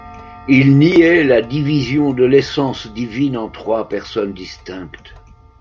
Il niait la division de l'essence divine en trois personnes distinctes.